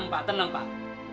pak tenang pak